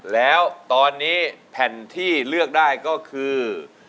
แล้วตอนนี้แผ่นที่เลือกได้ก็คือ